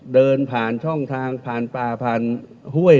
เดินผ่านช่องทางผ่านป่าผ่านห้วย